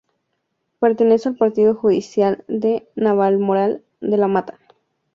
Pertenece al partido judicial de Navalmoral de la Mata.